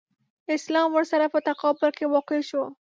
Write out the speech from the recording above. اسلام ورسره په تقابل کې واقع شو.